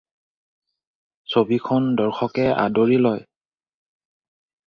ছবিখন দৰ্শকে আদৰি লয়।